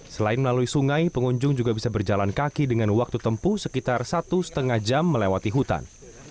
selain melalui sungai pengunjung juga bisa berjalan kaki dengan waktu tempuh sekitar satu lima jam melewati hutan